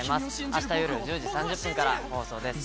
明日夜１０時３０分から放送です